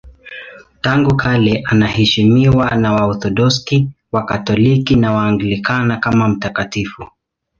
Tangu kale anaheshimiwa na Waorthodoksi, Wakatoliki na Waanglikana kama mtakatifu.